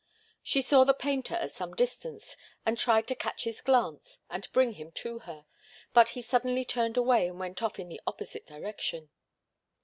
She saw the painter at some distance, and tried to catch his glance and bring him to her, but he suddenly turned away and went off in the opposite direction.